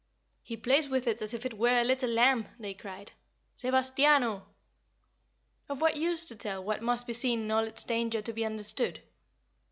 "He plays with it as if it were a little lamb," they cried. "Sebastiano! Sebastiano!" Of what use to tell what must be seen in all its danger to be understood?